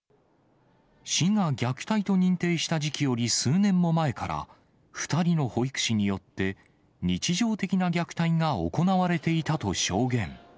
市が虐待と認定した時期より数年も前から、２人の保育士によって、日常的な虐待が行われていたと証言。